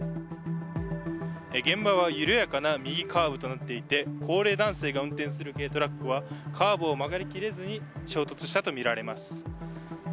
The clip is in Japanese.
現場は緩やかな右カーブとなっていて高齢男性が運転する軽トラックはカーブを曲がり切れずに衝突したとみられます。